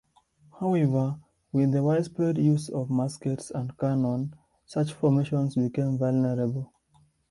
However, with the widespread use of muskets and cannon, such formations became vulnerable.